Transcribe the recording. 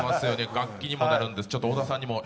楽器にもなるんで。